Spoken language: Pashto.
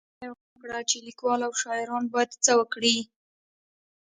_پوښتنه يې وکړه چې ليکوال او شاعران بايد څه وکړي؟